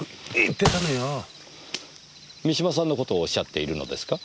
三島さんのことをおっしゃっているのですか？